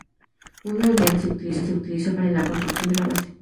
Un menú radial se utiliza para la construcción de la base.